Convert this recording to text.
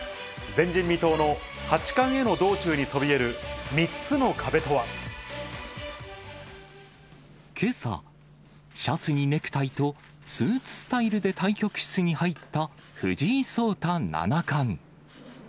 前人未到の八冠への道中にそけさ、シャツにネクタイと、スーツスタイルで対局室に入った、藤井聡太七冠。